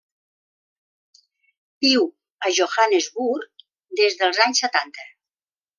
Viu a Johannesburg des dels anys setanta.